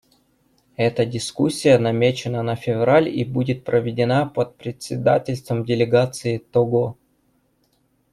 Эта дискуссия намечена на февраль и будет проведена под председательством делегации Того.